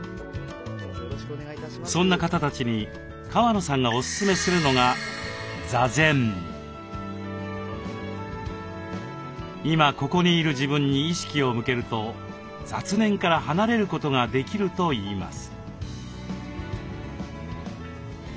そんな方たちに川野さんがおすすめするのが今ここにいる自分に意識を向けると雑念から離れることができるといいます。